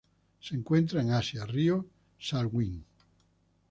Se encuentran en Asia: río Salween.